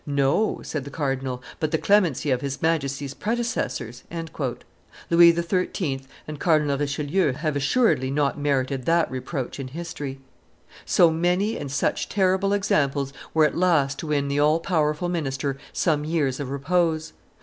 "No," said the cardinal, "but the clemency of his Majesty's predecessors." Louis XIII. and Cardinal Richelieu have assuredly not merited that, reproach in history. So many and such terrible examples were at last to win the all powerful minister some years of repose.